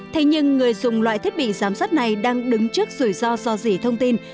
thế nhưng người dùng loại thiết bị giám sát này đang đứng trước rủi ro do dỉ thông tin